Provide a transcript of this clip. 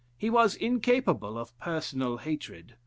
He was incapable of personal hatred.